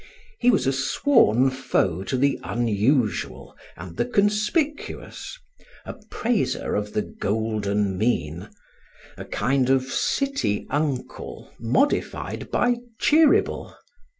He was a sworn foe to the unusual and the conspicuous, a praiser of the golden mean, a kind of city uncle modified by Cheeryble.